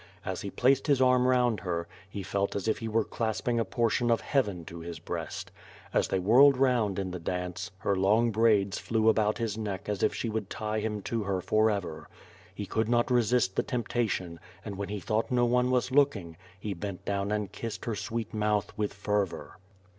As he placed his arm round her, he felt as if he was clasping a portion of Heaven to his breast. As they whirled round in the dance, her long braids flew about his neck as if she would tie him to her forever. He could not resist the temptation and, when he thought no one was looking, he bent down and kissed her sweet mouth with fervor.